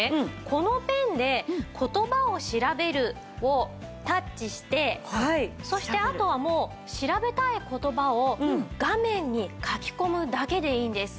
このペンで「言葉を調べる」をタッチしてそしてあとはもう調べたい言葉を画面に書き込むだけでいいんです。